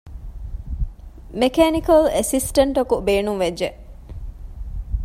މެކޭނިކަލް އެސިސްޓެންޓަކު ބޭނުންވެއްޖެ